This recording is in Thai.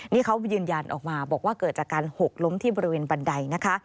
นี่เขายืนยันออกมาบอกว่าเกิดจากการหกล้มที่บริเวณบันไดนะคะ